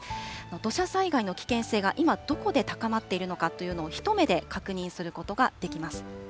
土砂災害の危険性が今、どこで高まっているのかというのを一目で確認することができます。